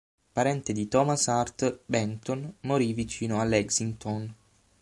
Parente di Thomas Hart Benton, morì vicino a Lexington.